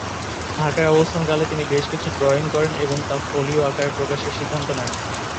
ঢাকায় অবস্থানকালে তিনি বেশকিছু ড্রইং করেন এবং তা ফোলিয়ো আকারে প্রকাশের সিদ্ধান্ত নেন।